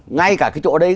ngay cả cái chỗ đấy